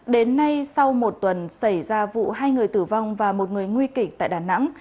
đến nay sau một tuần xảy ra vụ hai người tử vong và một người nguy kịch tại đà nẵng